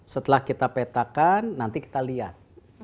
setelah kita petakan nanti kita lihat